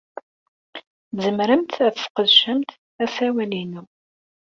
Tzemremt ad tesqedcemt asawal-inu.